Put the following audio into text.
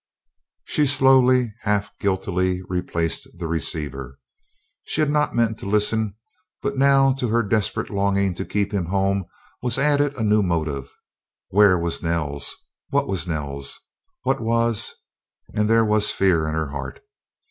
She slowly, half guiltily, replaced the receiver. She had not meant to listen, but now to her desperate longing to keep him home was added a new motive. Where was "Nell's"? What was "Nell's"? What was and there was fear in her heart.